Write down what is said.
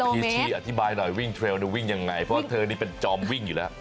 ชีอธิบายหน่อยวิ่งเทรลวิ่งยังไงเพราะว่าเธอนี่เป็นจอมวิ่งอยู่แล้ว